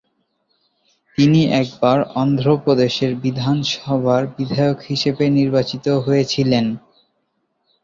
তিনি একবার অন্ধ্র প্রদেশ বিধানসভার বিধায়ক হিসেবে নির্বাচিত হয়েছিলেন।